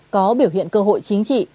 có biểu hiện cơ hội chính trị